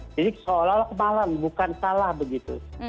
jadi seolah olah kemahalan bukan salah begitu